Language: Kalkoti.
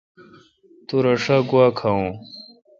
تو تس شا گوا کھاوون۔